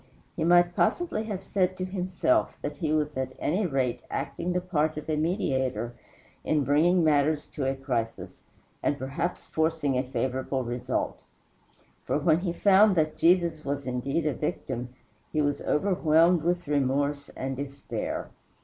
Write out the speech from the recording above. He might possibly have said to himself that he was at any rate acting the part of a mediator in bringing matters to a crisis, and perhaps forcing a favorable result. For, when he found that Jesus was indeed a victim, he was overwhelmed with remorse and despair.